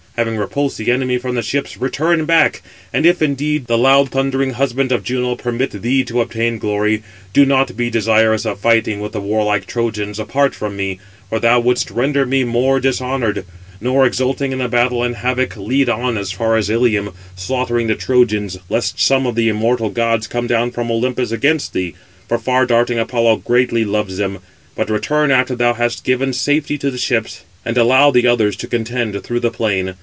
Having repulsed the enemy from the ships, return back: and if, indeed, the loud thundering husband of Juno permit thee to obtain glory, do not be desirous of fighting with the warlike Trojans apart from me; for thou wouldst render me more dishonoured; nor, exulting in the battle and havoc, lead on as far as Ilium, slaughtering the Trojans, lest some of the immortal gods come down from Olympus [against thee]; for far darting Apollo greatly loves them. But return after thou hast given safety to the ships, and allow the others to contend through the plain.